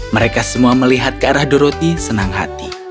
mereka semua melihat ke arah doroti senang hati